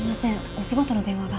お仕事の電話が。